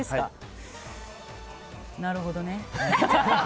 なるほどね。